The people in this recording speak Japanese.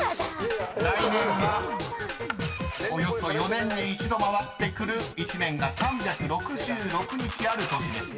［来年はおよそ４年に１度回ってくる１年が３６６日ある年です］